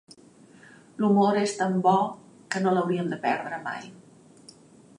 L'humor és tant bo que no l'hauríem de perdre mai.